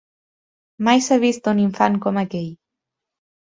Mai s'ha vist un infant com aquell